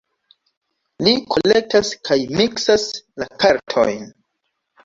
Li kolektas kaj miksas la kartojn.